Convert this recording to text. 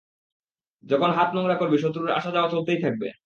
যখন হাত নোংরা করবি শত্রুর আসা-যাওয়া চলতেই থাকবে।